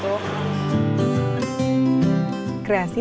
kreasi martabak telur